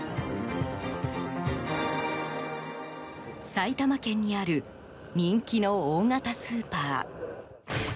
埼玉県にある人気の大型スーパー。